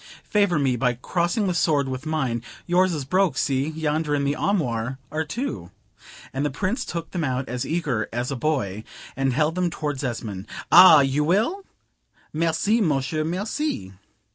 Favor me by crossing the sword with mine: yours is broke see, yonder in the armoire are two;" and the Prince took them out as eager as a boy, and held them towards Esmond: "Ah! you will? Merci, monsieur, merci!"